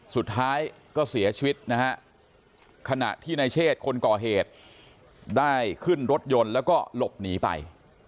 สุดท้ายก็เสียชีวิตนะฮะขณะที่ในเชศคนก่อเหตุได้ขึ้นรถยนต์แล้วก็หลบหนีไป